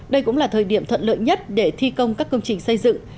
đây cũng là thời điểm thuận lợi nhất để thi công các công trình xây dựng